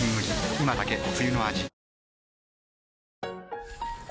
今だけ冬の味